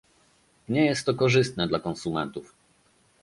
Nie jest to korzystne dla konsumentów